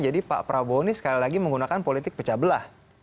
jadi pak prabowo ini sekali lagi menggunakan politik pecah belah